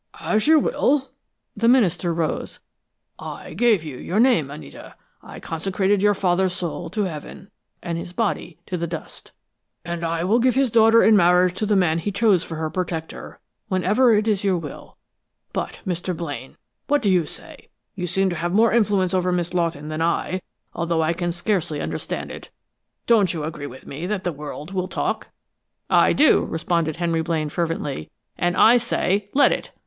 "As you will." The minister rose. "I gave you your name, Anita. I consecrated your father's soul to Heaven, and his body to the dust, and I will give his daughter in marriage to the man he chose for her protector, whenever it is your will. But, Mr. Blaine, what do you say? You seem to have more influence over Miss Lawton than I, although I can scarcely understand it. Don't you agree with me that the world will talk?" "I do!" responded Henry Blaine fervently. "And I say let it!